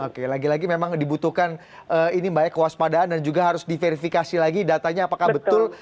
oke lagi lagi memang dibutuhkan ini mbak ya kewaspadaan dan juga harus diverifikasi lagi datanya apakah betul